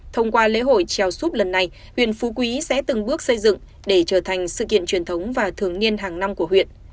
thông qua lễ hội trèo súp lần này huyện phú quý sẽ từng bước xây dựng để trở thành sự kiện truyền thống và thường niên hàng năm của huyện